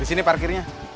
di sini parkirnya